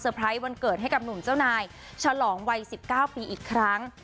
ไพรส์วันเกิดให้กับหนุ่มเจ้านายฉลองวัย๑๙ปีอีกครั้ง